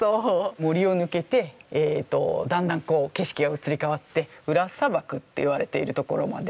森を抜けてだんだん景色が移り変わって裏砂漠と言われているところまで。